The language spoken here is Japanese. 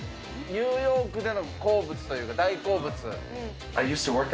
ニューヨークでの好物というか、大好物？